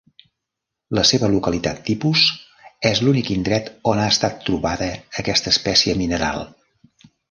La seva localitat tipus és l'únic indret on ha estat trobada aquesta espècie mineral.